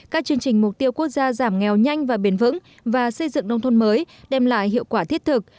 các chương trình mục tiêu quốc gia giảm nghèo nhanh và bền vững và xây dựng nông thôn mới đem lại hiệu quả thiết thực